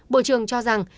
bộ trưởng cho rằng